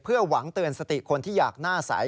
เพื่อหวังเตือนสติคนที่อยากหน้าใส